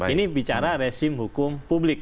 ini bicara resim hukum publik